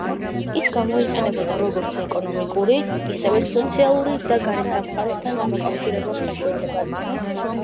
ის გამოიყენებოდა როგორც ეკონომიკური, ისევე სოციალური და გარე სამყაროსთან დამაკავშირებელ საშუალებად.